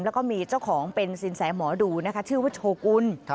แล้วก็มีเจ้าของเป็นสินแสหมอดูนะคะชื่อว่าโชกุล